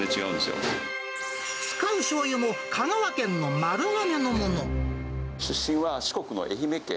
使うしょうゆも、香川県の丸出身は四国の愛媛県。